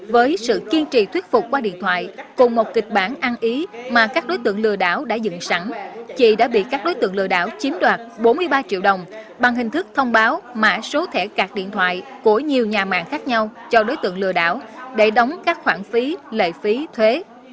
với sự kiên trì thuyết phục qua điện thoại cùng một kịch bản ăn ý mà các đối tượng lừa đảo đã dựng sẵn chị đã bị các đối tượng lừa đảo chiếm đoạt bốn mươi ba triệu đồng bằng hình thức thông báo mã số thẻ cạc điện thoại của nhiều nhà mạng khác nhau cho đối tượng lừa đảo để đóng các khoản phí lệ phí thuế